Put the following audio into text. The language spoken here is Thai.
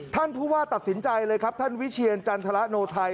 ท่านผู้ว่าตัดสินใจเลยครับท่านวิเชียรจันทรโนไทย